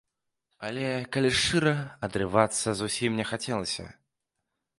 Але, калі шчыра, адрывацца зусім не хацелася.